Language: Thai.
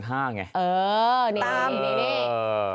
ตามนี่นี่